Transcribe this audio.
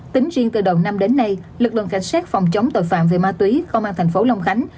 tính riêng từ đầu năm đến nay lực lượng cảnh sát phòng chống tội phạm về ma túy công an thành phố long khánh